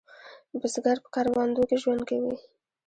بزګر په کروندو کې ژوند کوي